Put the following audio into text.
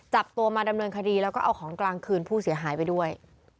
จับตัวมาดำเนินคดีแล้วก็เอาของกลางคืนผู้เสียหายไปด้วย